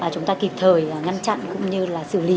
chúng ta kịp thời ngăn chặn cũng như là xử lý